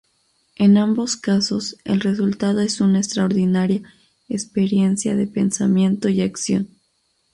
En ambos casos, el resultado es una extraordinaria experiencia de pensamiento y acción.